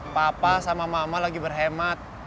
papa sama mama lagi berhemat